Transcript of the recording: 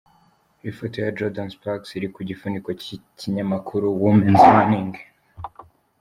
Ifoto ya Jordin Sparks iri ku gifuniko cyikinyamakuru Womens Running,.